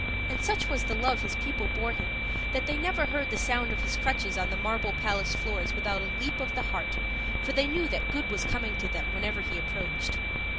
And such was the love his people bore him that they never heard the sound of his crutches on the marble palace floors without a leap of the heart, for they knew that good was coming to them whenever he approached.